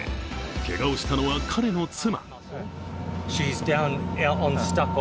けがをしたのは彼の妻。